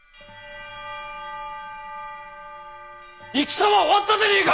戦は終わったでねえか！